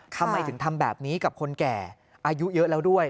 ทำไมถึงทำแบบนี้กับคนแก่อายุเยอะแล้วด้วย